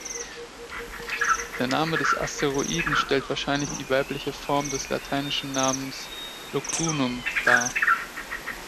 Der Name des Asteroiden stellt wahrscheinlich die weibliche Form des lateinischen Namens "Lugdunum" dar.